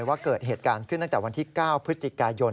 ว่าเกิดเหตุการณ์ขึ้นตั้งแต่วันที่๙พฤศจิกายน